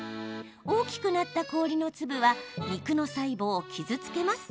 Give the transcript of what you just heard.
大きくなった氷の粒は肉の細胞を傷つけます。